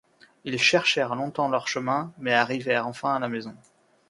Ils cherchèrent longtemps leur chemin, mais arrivèrent enfin à la maison.